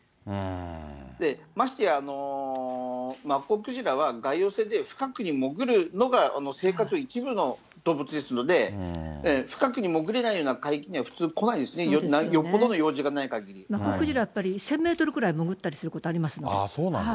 ましてや、マッコウクジラは外洋性で、深くに潜るのが生活の一部の動物ですので、深くに潜れないような海域には、普通来ないですね、マッコウクジラ、やっぱり１０００メートルくらい潜ったりすることありますので。